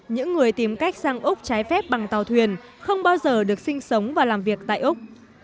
những người tìm cách sang úc trái phép bằng tàu thuyền không bao giờ được sinh sống và làm việc tại úc